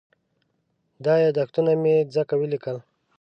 دا یادښتونه مې ځکه وليکل.